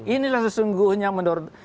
inilah sesungguhnya menurut